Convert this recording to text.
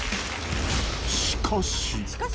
しかし。